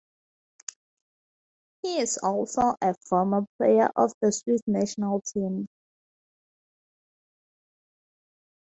He is also a former player of the Swiss national team.